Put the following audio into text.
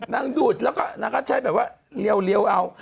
นั่งดูดแล้วก็ใช้แบบว่าเรียวเอา